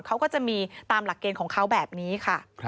เขาก็จะมีตามหลักเกณฑ์ของเขาแบบนี้ค่ะ